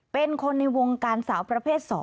เป็นคนในวงการสาวประเภท๒